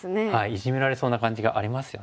イジメられそうな感じがありますよね。